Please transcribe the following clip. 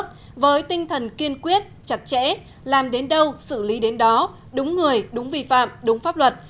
các cơ quan kiên quyết chặt chẽ làm đến đâu xử lý đến đó đúng người đúng vi phạm đúng pháp luật